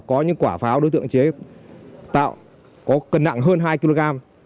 có những quả pháo đối tượng chế tạo có cân nặng hơn hai kg